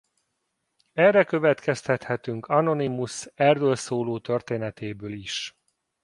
Erre következtethetünk Anonymus erről szóló történetéből is.